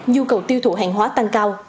nhu cầu tiêu thụ hàng hóa tăng cao